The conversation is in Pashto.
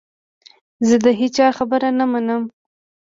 زه د هیچا خبره نه منم .